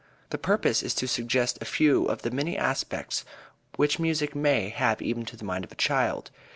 The purpose is to suggest a few of the many aspects which music may have even to the mind of a child.